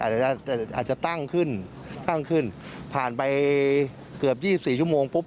อาจจะตั้งขึ้นผ่านไปเกือบ๒๔ชั่วโมงปุ๊บ